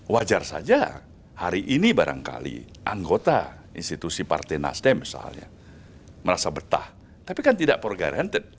wajar saja hari ini barangkali anggota institusi partai nasdem misalnya merasa betah tapi kan tidak progarianted